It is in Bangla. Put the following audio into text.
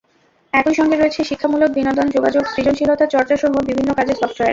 একই সঙ্গে রয়েছে শিক্ষামূলক, বিনোদন, যোগাযোগ, সৃজনশীলতার চর্চাসহ বিভিন্ন কাজের সফটওয়্যার।